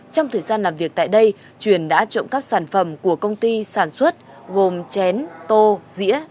trong thời gian làm việc tại đây truyền đã trộm cắp sản phẩm của công ty sản xuất gồm chén tô dĩa